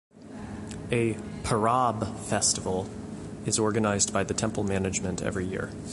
A "Parab festival" is organised by the temple management every year.